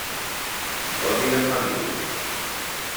Codi de família.